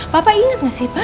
papa inget gak sih pak